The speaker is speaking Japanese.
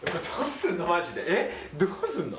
どうすんの？